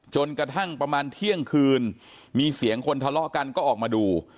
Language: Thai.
จนกระทั่งประมาณเที่ยงคืนมีเสียงคนทะเลาะกันก็ออกมาดู